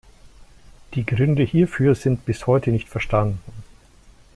Die Gründe hierfür sind bis heute nicht verstanden.